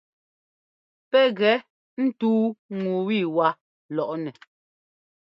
Pɛ́ gɛ ńtʉ́u ŋu ẅiwá lɔʼnɛ.